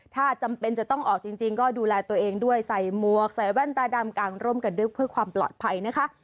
ถ้าจำเป็นจะต้องออกจริงก็ดูแลตัวเองด้วยใส่มวกใส่แว่นตาดำกางร่มกันด้วยเพื่อความปลอดภัยนะคะ